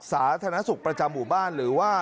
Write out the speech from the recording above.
สาธารณสุขประจำหมู่บ้านหรือว่า